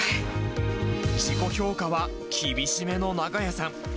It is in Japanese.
自己評価は厳しめの永冶さん。